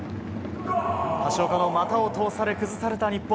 橋岡の股を通され崩された日本。